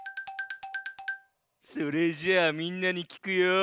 それじゃみんなにきくよ。